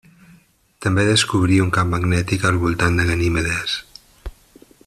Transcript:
També descobrí un camp magnètic al voltant de Ganimedes.